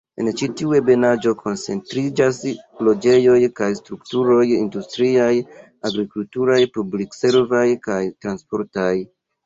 En ĉi tiu ebenaĵo koncentriĝas loĝejoj kaj strukturoj industriaj, agrikulturaj, publik-servaj kaj transportaj.